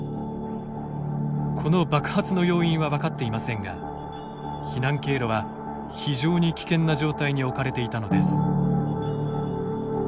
この爆発の要因は分かっていませんが避難経路は非常に危険な状態に置かれていたのです。